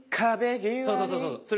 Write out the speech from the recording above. そうそうそうそうそう。